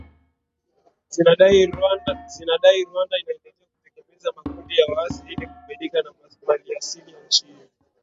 zinadai Rwanda inaendelea kutegemeza makundi ya waasi ili kufaidika na maliasili ya nchi hiyo